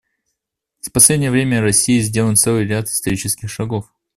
За последнее время Россией сделан целый ряд исторических шагов.